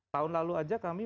tahun lalu saja kami